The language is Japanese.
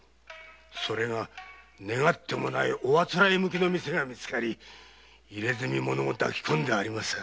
それが願ってもないおあつらえ向きの店も見つかり「入墨者」も抱きこんでありまさぁ。